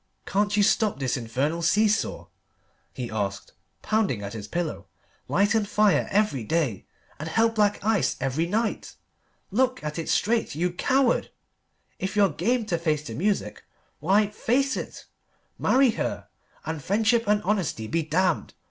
"Can't you stop this infernal see saw?" he asked, pounding at his pillow; "light and fire every day, and hell black ice every night. Look at it straight, you coward! If you're game to face the music, why, face it! Marry her, and friendship and honesty be damned!